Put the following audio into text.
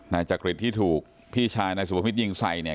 นายจักริตที่ถูกพี่ชายนายสุภิษยิงใส่เนี่ย